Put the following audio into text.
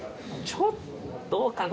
ちょっとどうかな？